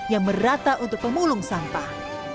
dan serta untuk pemulung sampah